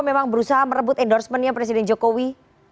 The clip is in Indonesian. memang berusaha merebut endorsement nya presiden jokowi